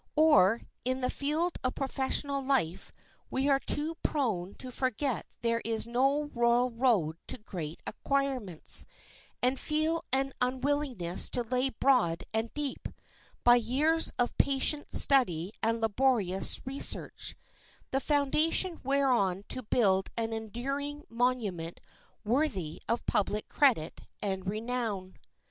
Or, in the field of professional life, we are too prone to forget there is no royal road to great acquirements, and feel an unwillingness to lay broad and deep, by years of patient study and laborious research, the foundation whereon to build an enduring monument worthy of public credit and renown.